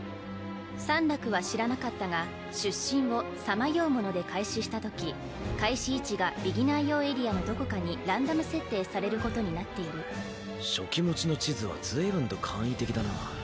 サンラクは知らなかったが出身を「彷徨うもの」で開始したとき開始位置がビギナー用エリアのどこかにランダム設定されることになっている初期持ちの地図は随分と簡易的だな。